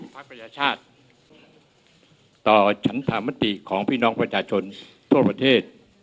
ประชาชาติต่อฉันธรรมติของพี่น้องประชาชนทั่วประเทศ